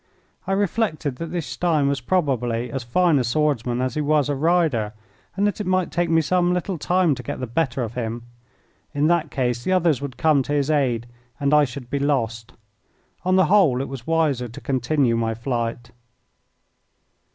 I reflected that this Stein was probably as fine a swordsman as he was a rider, and that it might take me some little time to get the better of him. In that case the others would come to his aid and I should be lost. On the whole, it was wiser to continue my flight.